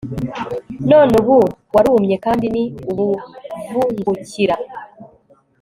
none ubu warumye kandi ni ubuvungukira